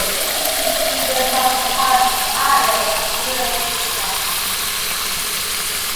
She is of Polish, Irish, and English descent.